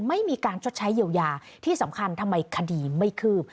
ไม่มีการชดใช้เยียวยาที่สำคัญทำไมคดีไม่คืบ